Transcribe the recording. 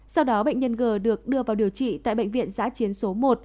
sau đó bệnh nhân g được đưa vào điều trị tại bệnh viện giã chiến số một